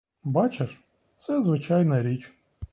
Бачиш, це звичайна річ.